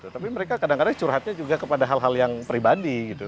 tapi mereka kadang kadang curhatnya juga kepada hal hal yang pribadi gitu